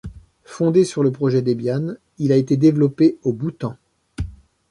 Fondé sur le projet Debian, il a été développé au Bhoutan.